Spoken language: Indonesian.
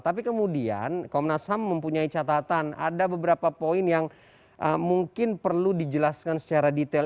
tapi kemudian komnas ham mempunyai catatan ada beberapa poin yang mungkin perlu dijelaskan secara detail